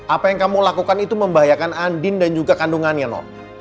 apa yang kamu lakukan itu membahayakan andin dan juga kandungannya no